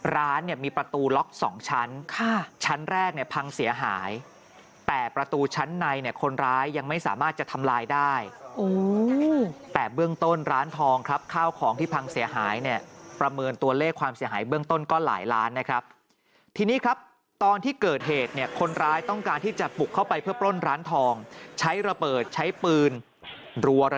ร้านเนี่ยมีประตูล็อกสองชั้นชั้นแรกเนี่ยพังเสียหายแต่ประตูชั้นในเนี่ยคนร้ายยังไม่สามารถจะทำลายได้แต่เบื้องต้นร้านทองครับข้าวของที่พังเสียหายเนี่ยประเมินตัวเลขความเสียหายเบื้องต้นก็หลายล้านนะครับทีนี้ครับตอนที่เกิดเหตุเนี่ยคนร้ายต้องการที่จะปลุกเข้าไปเพื่อปล้นร้านทองใช้ระเบิดใช้ปืนรั